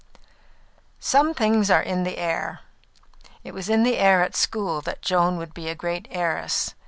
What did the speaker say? Some things are in the air. It was in the air at school that Joan would be a great heiress.